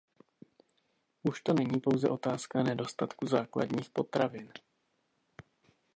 Už to není pouze otázka nedostatku základních potravin.